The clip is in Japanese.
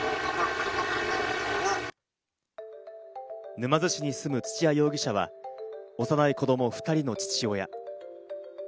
沼津市に住む土屋容疑者は幼い子供２人の父親。